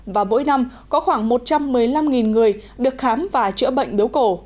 và mỗi năm có khoảng một trăm một mươi năm người được khám và chữa bệnh biếu cổ